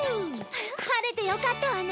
晴れてよかったわね。